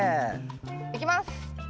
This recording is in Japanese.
いきます。